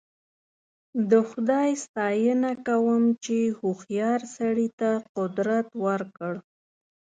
د خدای ستاینه کوم چې هوښیار سړي ته قدرت ورکړ.